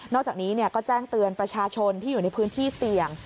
จากนี้ก็แจ้งเตือนประชาชนที่อยู่ในพื้นที่เสี่ยง